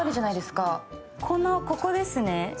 このここですね。